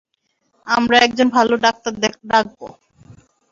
আমরা একজন ভালো ডাক্তার ডাকব।